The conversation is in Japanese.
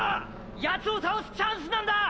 ヤツを倒すチャンスなんだ！